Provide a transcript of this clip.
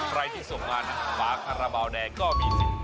ใครที่สงบมาฝาขระบาวแดงก็มีสิทธิ์